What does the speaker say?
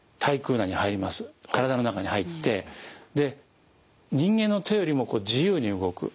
体の中に入ってで人間の手よりも自由に動く。